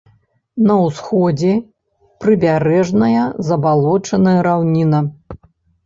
На ўсходзе прыбярэжная забалочаная раўніна.